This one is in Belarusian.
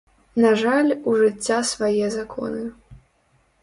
На жаль, у жыцця свае законы.